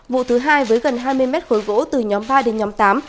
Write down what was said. vụ thứ hai với gần hai mươi mét khối gỗ từ nhóm hai đến nhóm tám